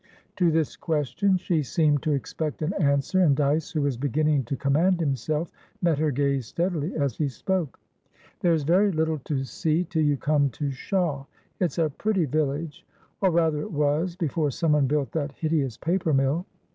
To this question she seemed to expect an answer, and Dyce, who was beginning to command himself, met her gaze steadily as he spoke. "There's very little to see till you come to Shawe. It's a pretty villageor rather, it was, before someone built that hideous paper mill."